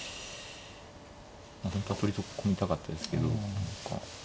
本当は取り込みたかったですけど。